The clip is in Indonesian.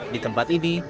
di tempat ini